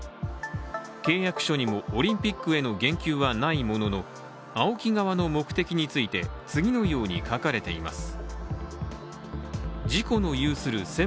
契約書にもオリンピックへの言及はないもののＡＯＫＩ側の目的について次のように書かれています。